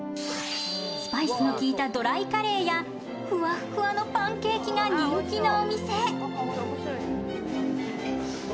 スパイスのきいたドライカレーやふわっふわのパンケーキが人気のお店。